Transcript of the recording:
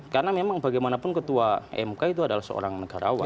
karena memang bagaimanapun ketua pmk itu adalah seorang negarawan